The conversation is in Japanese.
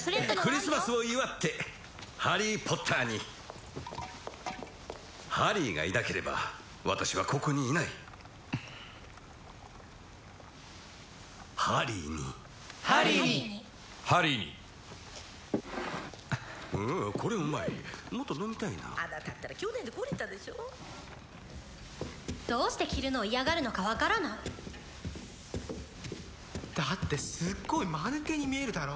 クリスマスを祝ってハリー・ポッターにハリーがいなければ私はここにいないハリーにハリーにハリーにうんこりゃうまいもっと飲みたいなあなたったら去年でこりたでしょどうして着るのを嫌がるのか分からないだってすっごいマヌケに見えるだろ